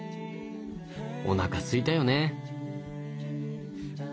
おなかすいたよね。